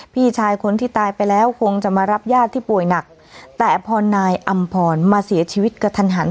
พี่ชายคนที่ตายไปแล้วคงจะมารับญาติที่ป่วยหนักแต่พอนายอำพรมาเสียชีวิตกระทันหัน